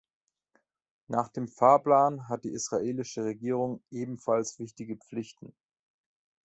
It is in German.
Nach dem Fahrplan hat die israelische Regierung ebenfalls wichtige Pflichten.